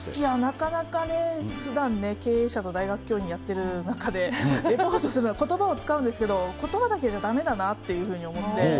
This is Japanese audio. なかなかね、ふだん、経営者と大学教員をやってる中で、レポートするのはことばを使うんですけれども、ことばだけじゃだめだなっていうふうに思って。